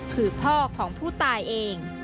คือพ่อของผู้ตายเอง